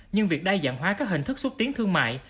nhưng việc đa dạng hóa các hình thức xúc tiến thương mại